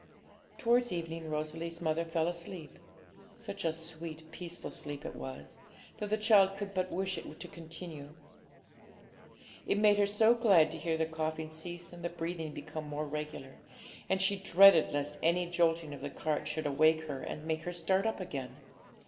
Towards evening Rosalie's mother fell asleep, such a sweet, peaceful sleep it was, that the child could but wish it to continue. It made her so glad to hear the coughing cease and the breathing become more regular, and she dreaded lest any jolting of the cart should awake her and make her start up again.